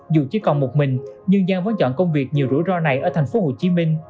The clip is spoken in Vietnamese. dù chỉ còn một mình nhưng giang vẫn chọn công việc nhiều rủi ro này ở tp hcm